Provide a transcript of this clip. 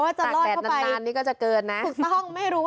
ว่าจะลอยเตาะเตาะก็จะเกินน่ะต้องไม่รู้